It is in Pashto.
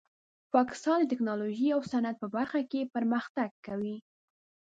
پاکستان د ټیکنالوژۍ او صنعت په برخه کې پرمختګ کوي.